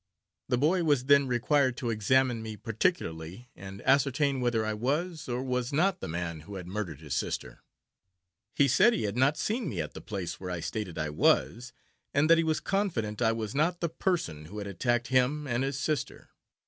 The boy was then required to examine me particularly, and ascertain whether I was, or was not, the man who had murdered his sister. He said he had not seen me at the place where I stated I was, and that he was confident I was not the person who had attacked him and his sister.